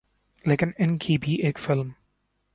لیکن ان کی بھی ایک فلم